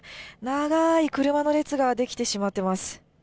長い車の列が出来てしまってます。